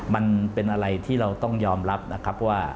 มันเป็นอะไรที่เราต้องยอมรับนะครับว่า